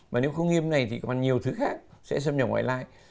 mà nếu không nghiêm này thì còn nhiều thứ khác sẽ xâm nhập ngoại lai